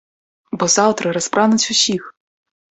Бо заўтра распрануць усіх!